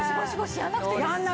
やらなくていい。